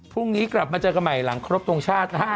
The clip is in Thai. พรุ่งนี้กลับมาเจอกันใหม่หลังครบทรงชาตินะฮะ